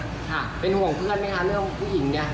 ค่ะเป็นห่วงเพื่อนไหมคะเรื่องผู้หญิงเนี่ย